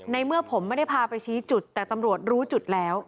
เมื่อผมไม่ได้พาไปชี้จุดแต่ตำรวจรู้จุดแล้ว